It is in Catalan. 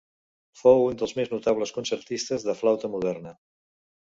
Fou un dels més notables concertistes de flauta moderna.